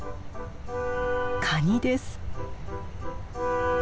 カニです。